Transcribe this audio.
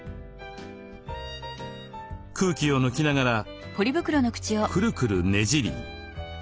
空気を抜きながらクルクルねじり。